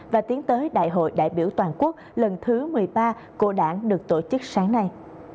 và tiến tới đại hội đại biểu toàn quốc lần thứ một mươi ba của đảng được tổ chức sáng nay